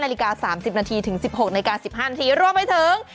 ๑๕น๓๐นถึง๑๖น๑๕นรวมไปถึง